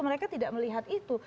mereka tidak melihat itu